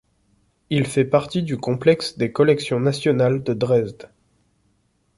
Il fait partie du complexe des Collections Nationales de Dresde.